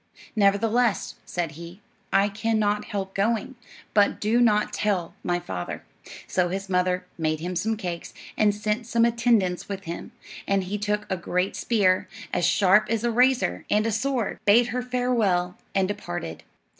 "Nevertheless," said he, "I can not help going; but do not tell my father." So his mother made him some cakes, and sent some attendants with him; and he took a great spear, as sharp as a razor, and a sword, bade her farewell, and departed.